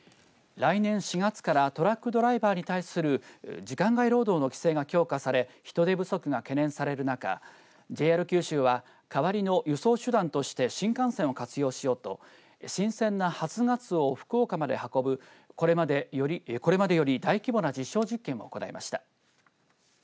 来年４月からトラックドライバーに対する時間外労働の規制が強化され人手不足が懸念される中ＪＲ九州は代わりの輸送手段として新幹線を活用しようと新鮮な初ガツオを福岡まで運ぶこれまでより大規模な実証実験を行いました。